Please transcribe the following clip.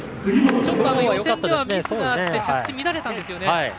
ちょっと予選ではミスがあり着地が乱れたんですが。